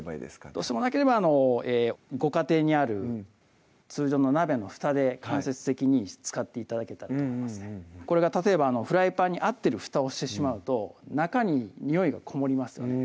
どうしてもなければご家庭にある通常の鍋のふたで間接的に使って頂けたらこれが例えばフライパンに合ってるふたをしてしまうと中ににおいがこもりますよね